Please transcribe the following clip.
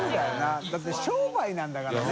世辰商売なんだからね。